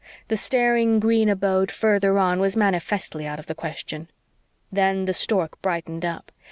The staring green abode further on was manifestly out of the question. Then the stork brightened up.